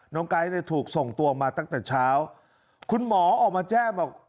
ไก๊เนี่ยถูกส่งตัวมาตั้งแต่เช้าคุณหมอออกมาแจ้งบอก